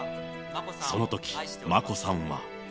そのとき眞子さんは。